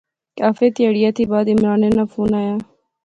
کافی تہاڑیا تھی بعدعمرانے ناں فون آیا